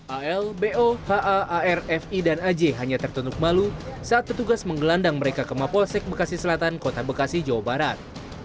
al bo ha ar fi dan aj hanya tertunduk malu saat petugas menggelandang mereka ke mapolsek bekasi selatan kota bekasi jawa barat